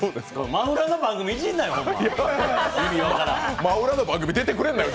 真裏の番組出てくれんなよ。